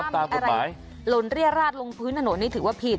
ถ้ามีอะไรหล่นเรียราดลงพื้นถนนนี่ถือว่าผิด